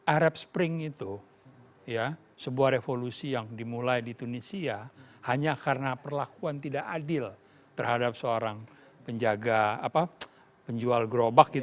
arab spring itu sebuah revolusi yang dimulai di tunisia hanya karena perlakuan tidak adil terhadap seorang penjaga penjual gerobak